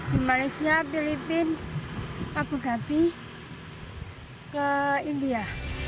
di malaysia filipina abu dhabi ke india